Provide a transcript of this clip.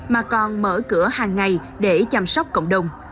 mà còn mở cửa hàng ngày để chăm sóc cộng đồng